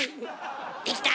できた？